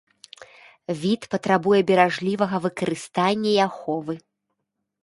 Від патрабуе беражлівага выкарыстання і аховы.